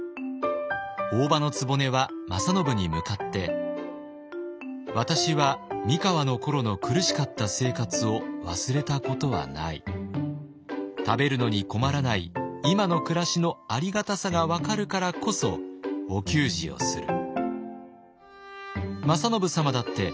大姥局は正信に向かって「私は三河の頃の苦しかった生活を忘れたことはない。食べるのに困らない今の暮らしのありがたさが分かるからこそお給仕をする」。